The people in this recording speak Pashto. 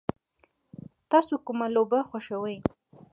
تاسو کومه لوبه خوښوئ؟